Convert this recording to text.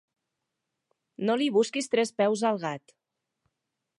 No li busquis tres peus al gat.